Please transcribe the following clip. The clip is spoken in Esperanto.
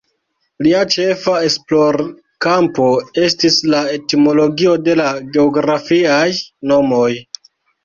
Lia ĉefa esplorkampo estis la etimologio de la geografiaj nomoj.